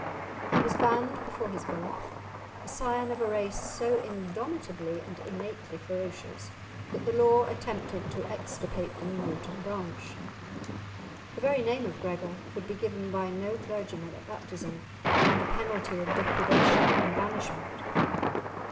He was banned before his birth, a scion of a race so indomitably and innately ferocious that the law attempted to extirpate them, root and branch. The very name of Gregor could be given by no clergyman at baptism, under penalty of deprivation and banishment.